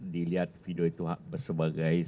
dilihat video itu sebagai